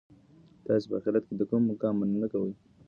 تاسي په اخیرت کي د کوم مقام مننه کوئ؟